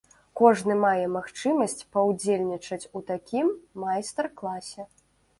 Кожны мае магчымасць паўдзельнічаць у такім майстар-класе.